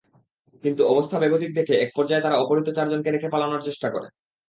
কিন্তু অবস্থা বেগতিক দেখে একপর্যায়ে তারা অপহৃত চারজনকে রেখে পালানোর চেষ্টা করে।